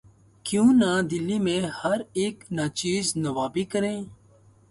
کیوں نہ دلی میں ہر اک ناچیز نوّابی کرے